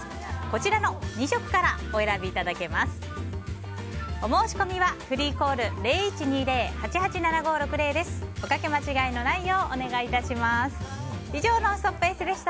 こちらの２色からお選びいただけます。